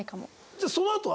じゃあそのあとは？